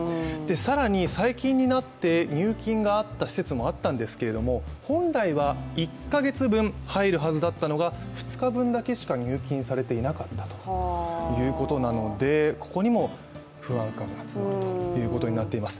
更に最近になって入金があった施設もあったんですけれども本来は１か月分、入るはずだったのが２日分だけしか入金されていなかったということなのでここにも不安感が募るということになっています。